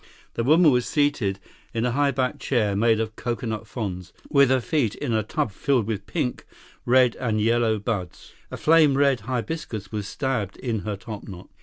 The woman was seated in a high backed chair, made of coconut fronds, with her feet in a tub filled with pink, red, and yellow buds. A flame red hibiscus was stabbed in her topknot.